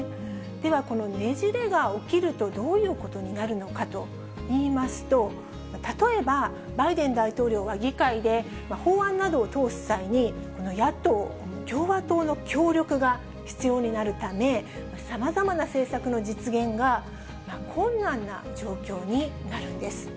では、このねじれが起きるとどういうことになるのかといいますと、例えば、バイデン大統領は議会で法案などを通す際に、この野党・共和党の協力が必要になるため、さまざまな政策の実現が困難な状況になるんです。